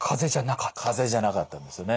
かぜじゃなかったんですよね。